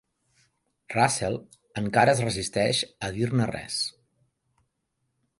Russell encara es resisteix a dir-ne res.